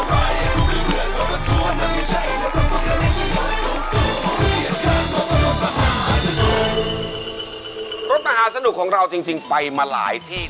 มหาสนุกของเราจริงไปมาหลายที่